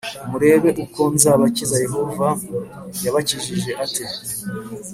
murebe uko nzabakiza Yehova yabakijije ate